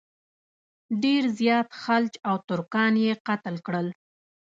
ډېر زیات خلج او ترکان یې قتل کړل.